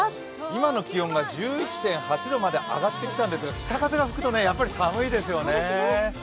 今の気温が１１．８度まで上がってきたんですが北風が吹くとやっぱり寒いですよね。